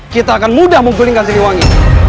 kita akan mudah menggelingkan sini wangi